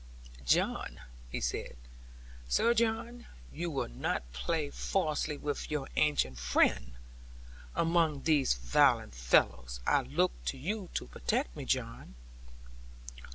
'John,' he said, 'Sir John, you will not play falsely with your ancient friend, among these violent fellows, I look to you to protect me, John.'